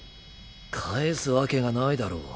返すわけがないだろう。